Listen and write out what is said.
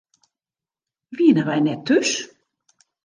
Wienen wy net thús?